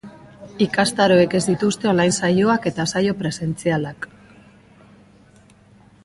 Ikastaroek ez dituzte online saioak eta saio presentzialak.